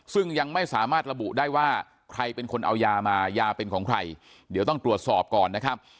ซึ่งยังไม่สามารถระบุได้ว่าใครเป็นคนเอายามายาเป็นของใครเดี๋ยวต้องตรวจสอบก่อนนะครับ